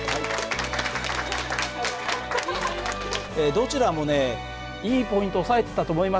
どちらもねいいポイント押さえてたと思いますよ。